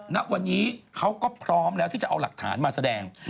ณวันนี้เขาก็พร้อมแล้วที่จะเอาหลักฐานมาแสดง